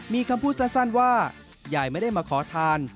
มีคำพูดสั้นว่ายายไม่ได้มาขอทาน